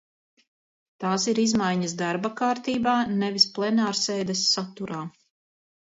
Tās ir izmaiņas darba kārtībā, nevis plenārsēdes saturā.